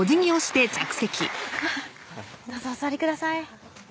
どうぞお座りください